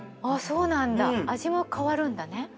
あそうなんだ味も変わるんだね。